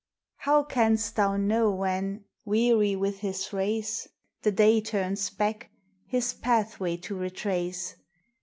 How canst thou know when, weary with his race, The Day turns back, his pathway to retrace?